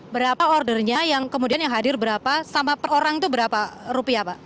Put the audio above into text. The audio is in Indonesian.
berapa ordernya yang kemudian yang hadir berapa sama per orang itu berapa rupiah pak